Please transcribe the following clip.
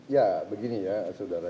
ya begini ya saudara